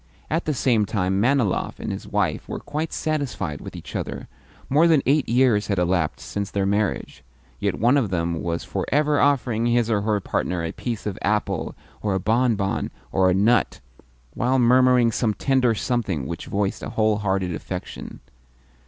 At the same time, Manilov and his wife were quite satisfied with each other. More than eight years had elapsed since their marriage, yet one of them was for ever offering his or her partner a piece of apple or a bonbon or a nut, while murmuring some tender something which voiced a whole hearted affection.